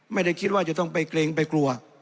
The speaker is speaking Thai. ไม่ได้คิดว่าจะต้องไปเกรงไปกลัว